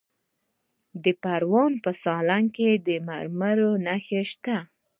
د پروان په سالنګ کې د مرمرو نښې شته.